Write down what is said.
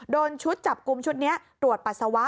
ชุดจับกลุ่มชุดนี้ตรวจปัสสาวะ